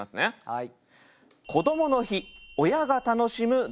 はい。